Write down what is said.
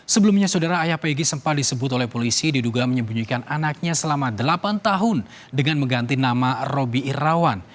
sebelumnya saudara ayah pegg sempat disebut oleh polisi diduga menyembunyikan anaknya selama delapan tahun dengan mengganti nama roby irawan